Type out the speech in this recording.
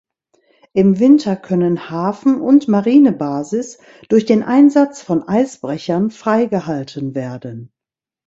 Im Winter können Hafen und Marinebasis durch den Einsatz von Eisbrechern freigehalten werden.